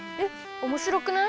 おもしろくない？